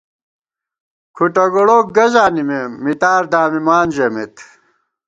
کھُٹہ گوڑوک گہ زانِمېم، مِتار دامِمان ژَمېت